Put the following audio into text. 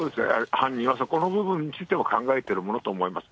犯人はそこの部分についても考えてるものと思います。